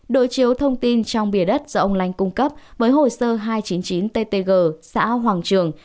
đối chiếu thông tin trong bìa đất do ông lanh cung cấp với hồ sơ hai trăm chín mươi chín ttg xã hoàng trường